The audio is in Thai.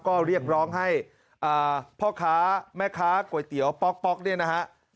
ก็เรียกร้องให้พ่อค้าแม่ค้าก๋วยเตี๋ยวป๊อกป๊อกเนี่ยนะฮะ